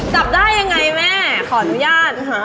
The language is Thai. จับได้ยังไงแม่ขออนุญาตค่ะ